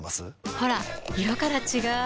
ほら色から違う！